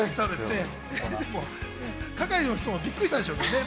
係の人もびっくりしたでしょうね。